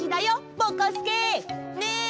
ぼこすけ！ね！